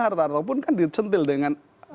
ataupun kan dicintil dengan